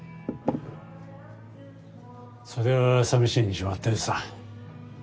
そりゃ寂しいに決まってるさ。